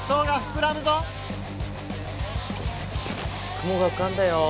雲がうかんだよ。